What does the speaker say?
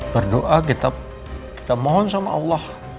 berdoa kita mohon sama allah